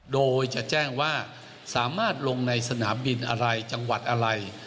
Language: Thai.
โดยจะแจ้งว่าสามารถลงในสนามบินอะไรจังหวัดอะไร